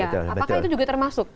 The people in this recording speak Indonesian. apakah itu juga termasuk